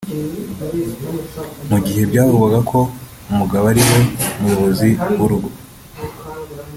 Mu gihe byavugwaga ko umugabo ari we muyobozi w’urugo